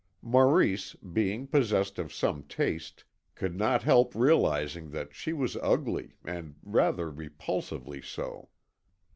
Maurice, being possessed of some taste, could not help realising that she was ugly and rather repulsively so.